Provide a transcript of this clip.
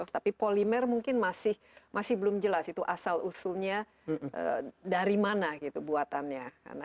tapi polimer mungkin masih belum jelas itu asal usulnya dari mana gitu buatannya